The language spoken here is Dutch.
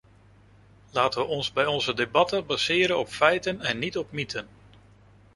Laten we ons bij onze debatten baseren op feiten en niet op mythen.